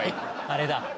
あれだ。